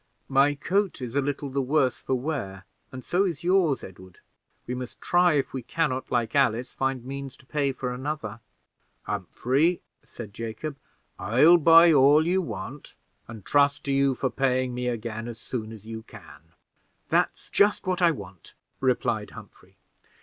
"My coat is a little the worse for wear, and so is yours, Edward. We must try if we can not, like Alice, find means to pay for another." "Humphrey," said Jacob, "I'll buy all you want, and trust to you for paying me again as soon as you can." "That's just what I want," replied Humphrey.